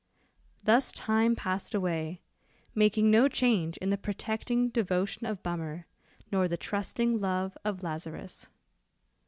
Thus time passed away, making no change in the protecting devotion of Bummer, nor the trusting love of Lazarus.